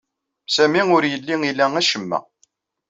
Sami ur yelli ila acemma.